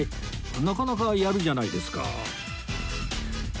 なかなかやるじゃないですか